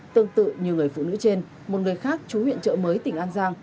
tương tự như người phụ nữ trên một người khác chú huyện trợ mới tỉnh an giang